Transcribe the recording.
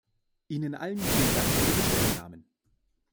Ihnen allen vielen Dank für Ihre Stellungnahmen.